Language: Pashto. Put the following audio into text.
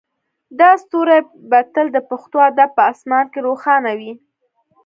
دا ستوری به تل د پښتو ادب په اسمان کې روښانه وي